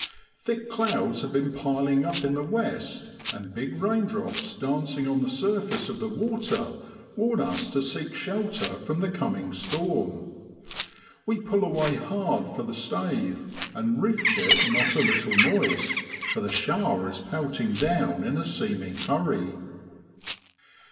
Thick clouds have been piling up in the west, and big raindrops dancing on the surface of the water warn us to seek shelter from the coming storm. We pull away hard for the staith, and reach it not a little moist, for the shower is pelting down in a seeming hurry.